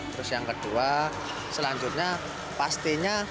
terus yang kedua selanjutnya pastinya